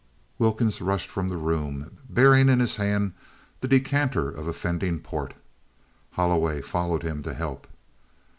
Wilkins rushed from the room bearing in his hand the decanter of offending port; Holloway followed him to help.